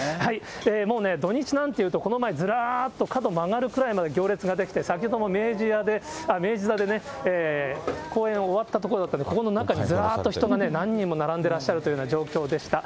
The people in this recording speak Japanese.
もうね、土日なんていうとこの前、ずらっと角曲がるぐらいまで行列が出来て、先ほども明治座でね、公演終わったところだったんで、この中にずらっと人が何人も並んでらっしゃるというような状況でした。